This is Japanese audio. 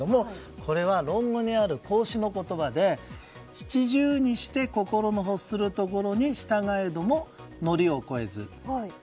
これは論語にある孔子の言葉で７０にして心の欲するところに従えどものりを越えず。